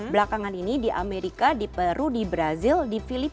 belakangan ini di amerika di peru di brazil di filipina